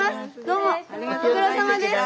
どうもご苦労さまです。